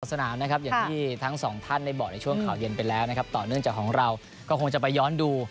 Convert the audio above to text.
สนามนะครับอย่างที่ทั้งสองท่านได้บอกในช่วงข่าวเย็นไปแล้วนะครับต่อเนื่องจากของเราก็คงจะไปย้อนดู